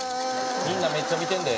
みんなめっちゃ見てんで。